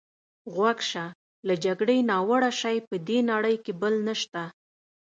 غوږ شه، له جګړې ناوړه شی په دې نړۍ کې بل نشته.